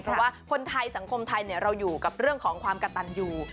เพราะว่าคนไทยสังคมไทยเราอยู่กับเรื่องของความกระตันอยู่